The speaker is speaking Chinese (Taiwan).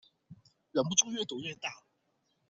忍不住越賭越大